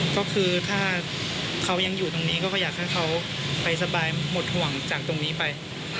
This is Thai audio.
ก็คือถ้าเขายังอยู่ตรงนี้ก็อยากให้เขาไปสบายหมดห่วงจากตรงนี้ไป